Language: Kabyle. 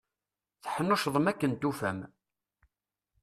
Teḥnuccḍem akken tufam.